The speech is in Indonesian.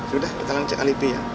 sudah kita cek alibi ya